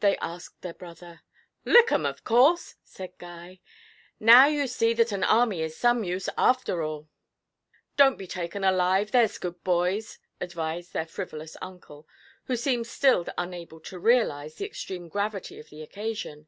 they asked their brother. 'Lick 'em, of course!' said Guy. 'Now you see that an army is some use, after all.' 'Don't be taken alive, there's good boys,' advised their frivolous uncle, who seemed still unable to realise the extreme gravity of the occasion.